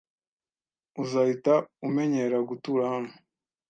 Uzahita umenyera gutura hano.